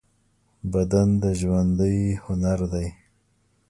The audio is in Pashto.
بدن د ژوندۍ هنر دی.